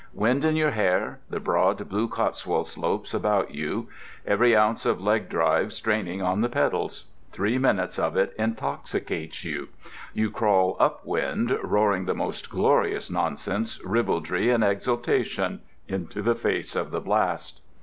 Wind in your hair, the broad blue Cotswold slopes about you, every ounce of leg drive straining on the pedals—three minutes of it intoxicates you. You crawl up wind roaring the most glorious nonsense, ribaldry, and exultation into the face of the blast.